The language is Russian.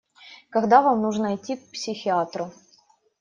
Когда вам нужно идти к психиатру?